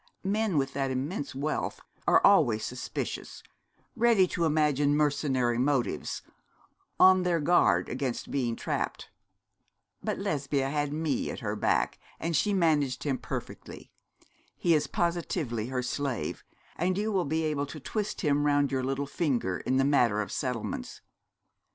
Men with that immense wealth are always suspicious, ready to imagine mercenary motives, on their guard against being trapped. But Lesbia had me at her back, and she managed him perfectly. He is positively her slave; and you will be able to twist him round your little finger in the matter of settlements.